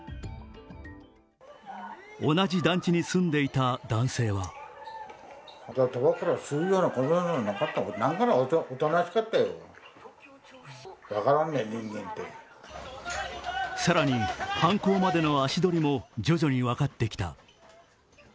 同じ団地に住んでいた男性は更に犯行までの足取りも徐々に分かってきた。